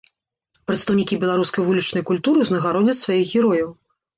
Прадстаўнікі беларускай вулічнай культуры ўзнагародзяць сваіх герояў.